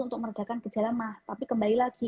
untuk meredakan gejala mah tapi kembali lagi